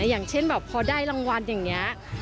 อย่างเช่นแบบพอได้รางวัลอย่างนี้